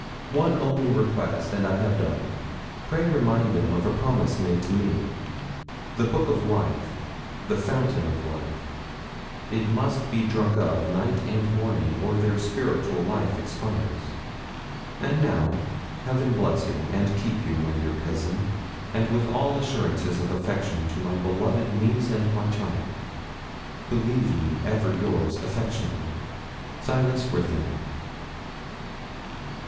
'One only request, and I have done. Pray remind them of a promise made to me. The Book of Life the fountain of life it must be drunk of, night and morning, or their spiritual life expires. 'And now, Heaven bless and keep you, my dear cousin; and with all assurances of affection to my beloved niece and my child, believe me ever yours affectionately. 'SILAS RUTHYN.'